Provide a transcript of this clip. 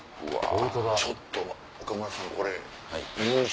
ちょっと岡村さん